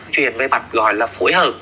truyền về mặt gọi là phối hợp